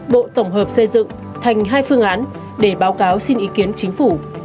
bộ tổng hợp xây dựng thành hai phương án để báo cáo xin ý kiến chính phủ